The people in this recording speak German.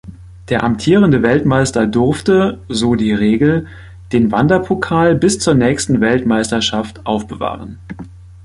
Der amtierende Weltmeister durfte, so die Regel, den Wanderpokal bis zur nächsten Weltmeisterschaft aufbewahren.